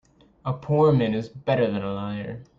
A poor man is better than a liar.